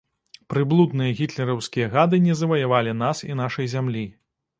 Прыблудныя гітлераўскія гады не заваявалі нас і нашай зямлі.